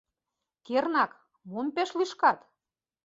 — Кернак, мом пеш лӱшкат?